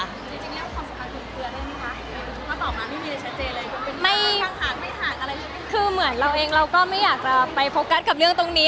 จริงเรื่องความสุขาของคุณเกลือเรื่องนี้ค่ะ